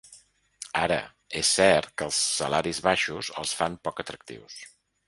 Ara, és cert que els salaris baixos els fan poc atractius.